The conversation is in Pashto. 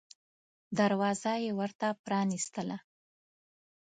دروازه یې ورته پرانیستله.